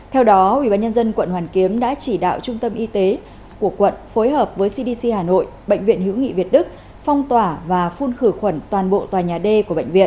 theo đó ubnd quận hoàn kiếm đã chỉ đạo trung tâm y tế của quận phối hợp với cdc hà nội bệnh viện hữu nghị việt đức phong tỏa và phun khử khuẩn toàn bộ tòa nhà d của bệnh viện